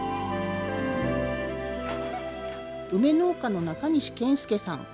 梅農家の中西謙介さん。